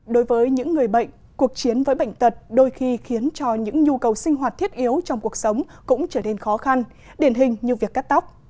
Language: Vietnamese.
đối với những người bệnh cuộc chiến với bệnh tật đôi khi khiến cho những nhu cầu sinh hoạt thiết yếu trong cuộc sống cũng trở nên khó khăn điển hình như việc cắt tóc